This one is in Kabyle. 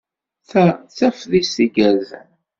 Ta d taftist igerrzen.